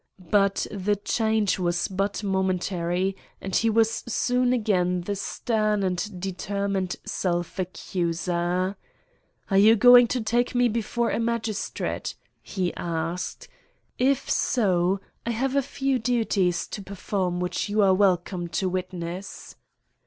But the change was but momentary, and he was soon again the stern and determined self accuser. "Are you going to take me before a magistrate?" he asked. "If so, I have a few duties to perform which you are welcome to witness."